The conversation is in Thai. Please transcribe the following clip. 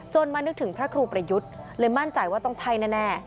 มานึกถึงพระครูประยุทธ์เลยมั่นใจว่าต้องใช่แน่